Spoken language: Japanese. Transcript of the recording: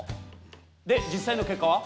で実際の結果は？